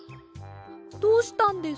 どうしたんです？